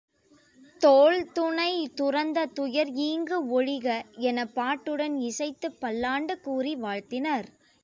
தோள் துணை துறந்த துயர் ஈங்கு ஒழிக எனப் பாட்டுடன் இசைத்துப் பல்லாண்டு கூறி வாழ்த்தினர்.